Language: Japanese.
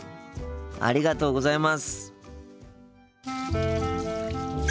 ありがとうございます。